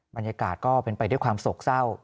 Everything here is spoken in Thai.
บรรยากาศก็เป็นไปด้วยความโศกเศร้า